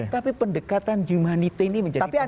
tapi pendekatan humanity ini menjadi penting